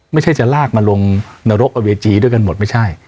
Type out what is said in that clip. ไม่ใช่จะลากมาลงนรกกับเวทีด้วยกันหมดไม่ใช่